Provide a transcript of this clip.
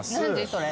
それ。